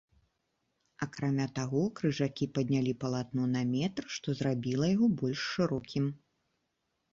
Акрамя таго, крыжакі паднялі палатно на метр, што зрабіла яго больш шырокім.